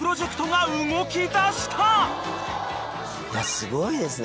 すごいですね